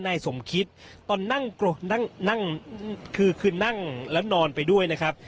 นายสมคิตตอนนั่งคืนนั่งแล้วนอนไปด้วยนะครับ